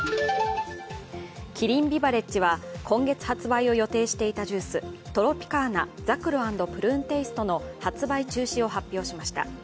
キリンビバレッジは今月発売を予定していたジューストロピカーナざくろ＆プルーンテイストの発売中止を発表しました。